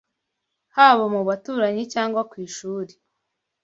haba mu baturanyi cyangwa ku ishuri